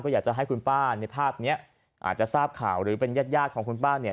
ก็อยากจะให้คุณป้าอาจจะทราบข่าวหรือเป็นยาดของคุณป้าเนี่ย